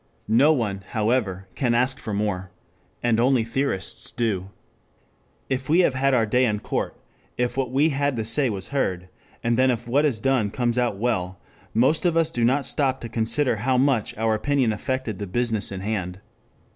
No one, however, can ask for more. And only theorists do. If we have had our day in court, if what we had to say was heard, and then if what is done comes out well, most of us do not stop to consider how much our opinion affected the business in hand.